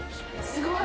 すごい！